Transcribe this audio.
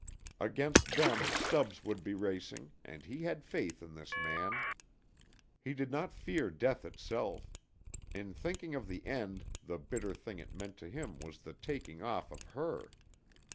Against them Stubbs would be racing and he had faith in this man. He did not fear Death itself. In thinking of the end, the bitter thing it meant to him was the taking off of her.